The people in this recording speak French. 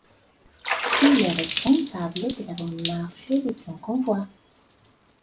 Il est responsable de la bonne marche de son convoi.